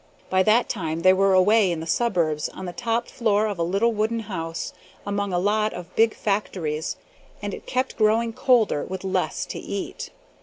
By that time they were away in the suburbs on the top floor of a little wooden house, among a lot of big factories, and it kept growing colder, with less to eat.